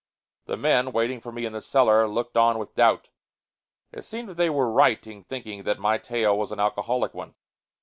The men, waiting for me in the cellar, looked on with doubt. It seemed that they were right in thinking that my tale was an alcoholic one.